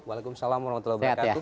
waalaikumsalam orang tua berkati